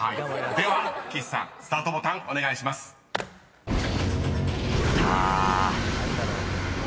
［では岸さんスタートボタンお願いします］きた！